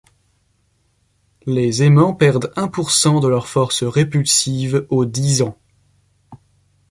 Les aimants perdent un pour-cent de leur force répulsive aux dix ans.